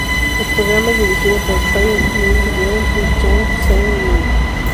El programa es dirigido por Choi Min-geun y Jang Seung-min.